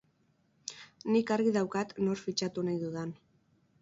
Nik argi daukat nor fitxatu nahi dudan.